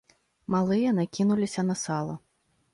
Малыя накінуліся на сала.